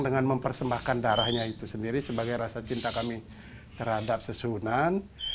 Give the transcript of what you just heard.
dengan mempersembahkan darahnya itu sendiri sebagai rasa cinta kami terhadap susunan